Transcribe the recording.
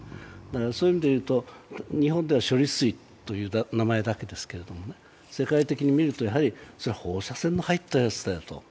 そういう意味でいうと、日本では「処理水」という名前だけだけどやはり、それは放射線の入ったやつだよと。